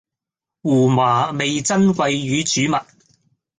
胡麻味噌鮭魚煮物